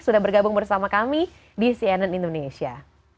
sudah bergabung bersama kami di cnn indonesia